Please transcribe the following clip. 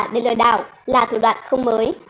để lừa đảo là thủ đoạn không mới